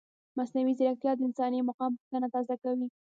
مصنوعي ځیرکتیا د انساني مقام پوښتنه تازه کوي.